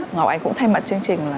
ngọc anh cũng thay mặt chương trình